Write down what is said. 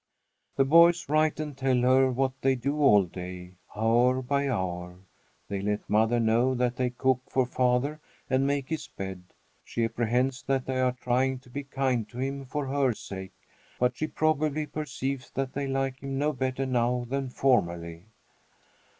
The boys write and tell her what they do all day, hour by hour. They let mother know that they cook for father and make his bed. She apprehends that they are trying to be kind to him for her sake, but she probably perceives that they like him no better now than formerly.